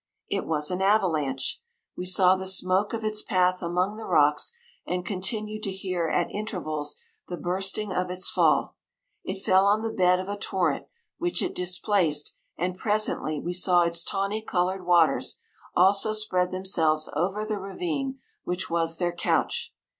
It was an avalanche. We saw the smoke of its path among the rocks, and continued to hear at intervals the bursting of its fall. It fell on the bed of a torrent, which it displaced, and presently we saw its tawny coloured waters also spread themselves over the ravine, which was their couch.